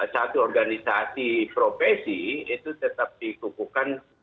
satu organisasi profesi itu tetap dikukuhkan